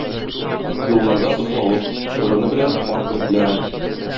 Юлларда - бозлавык, урыны белән - кар көртләре.